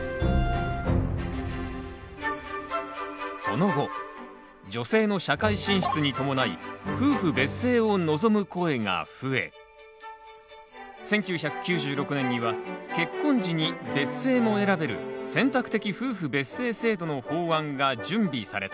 その後女性の社会進出に伴い夫婦別姓を望む声が増え１９９６年には結婚時に別姓も選べる選択的夫婦別姓制度の法案が準備された。